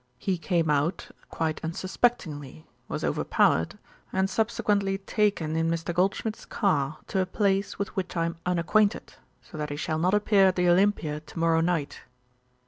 He came out quite unsuspectingly, was overpowered, and subsequently taken in Mr. Goldschmidt's car to a place with which I am unacquainted, so that he shall not appear at the Olympia to morrow night."